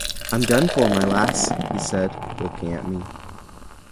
‘I’m done for, my lass!’ he said, looking at me.